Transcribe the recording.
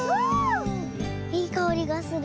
いいかおりがする。